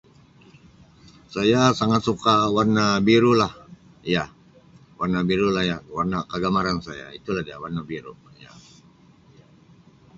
Saya sangat suka warna biru lah iya warna biru lah yang warna kegemaran saya itu lah dia warna biru iya.